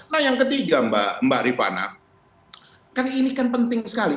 nah yang ketiga mbak rifana kan ini kan penting sekali